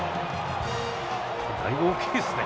だいぶ大きいですね。